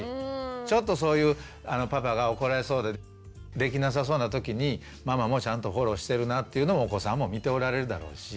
ちょっとそういうパパが怒られそうでできなさそうな時にママもちゃんとフォローしてるなっていうのもお子さんも見ておられるだろうし。